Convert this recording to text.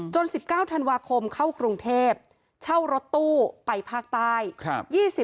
๑๙ธันวาคมเข้ากรุงเทพเช่ารถตู้ไปภาคใต้